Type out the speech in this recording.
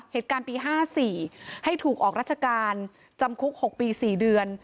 เหตุการณ์ปี๕๔ให้ถูกออกราชการจำคุก๖ปี๔เดือน